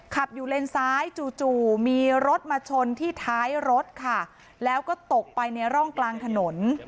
ขับอยู่เลนซ้ายจู่จู่มีรถมาชนที่ท้ายรถค่ะแล้วก็ตกไปในร่องกลางถนน